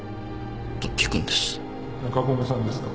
中込さんですか？